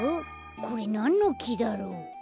これなんのきだろう？